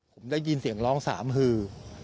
ผมได้ยินเสียงร้องสามหือ